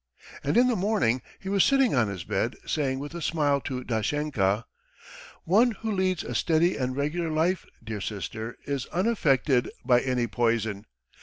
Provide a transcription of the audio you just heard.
... And in the morning he was sitting on his bed, saying with a smile to Dashenka: "One who leads a steady and regular life, dear sister, is unaffected by any poison.